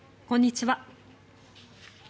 こんにちは。